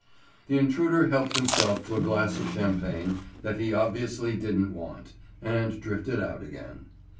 The intruder helped himself to a glass of champagne that he obviously didn't want, and drifted out again.